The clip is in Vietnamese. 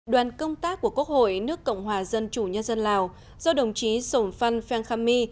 đoàn công tác của quốc hội nước cộng hòa dân chủ nhân dân lào do đồng chí sổng phan phan khammy